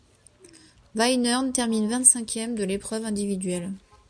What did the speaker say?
Weidner termine vingt-cinquième de l'épreuve individuelle.